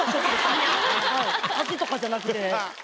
味とかじゃなくて。